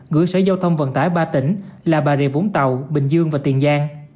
gửi sở giao thông vận tải ba tỉnh là bà rịa vũng tàu bình dương và tiền giang